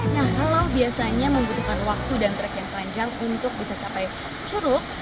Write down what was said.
nah kalau biasanya membutuhkan waktu dan track yang panjang untuk bisa capai curug